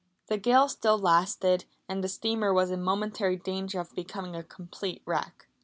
The gale still lasted, and the steamer was in momentary danger of becoming a complete wreck.